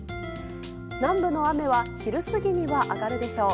南部の雨は昼過ぎには上がるでしょう。